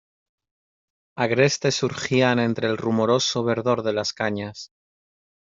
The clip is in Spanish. Agrestes surgían entre el rumoroso verdor de las cañas.